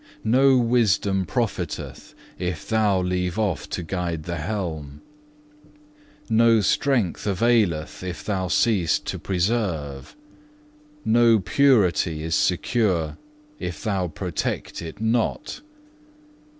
No wisdom profiteth, if Thou leave off to guide the helm. No strength availeth, if Thou cease to preserve. No purity is secure, if Thou protect it not.